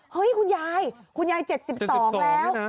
คุณยายคุณยาย๗๒แล้ว